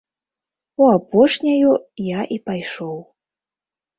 У апошняю я і пайшоў.